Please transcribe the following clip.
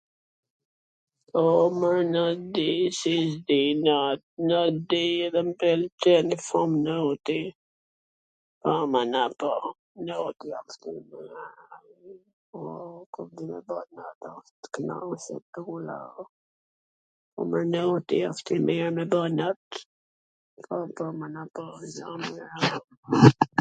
Po, mor, not di si s di not, not di dhe m pelqen shum noti, po, mana, po, noti wsht i mir kur di me u la... noti wsht i mir me bw not, po po, mana, po.